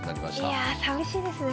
いやあ寂しいですね。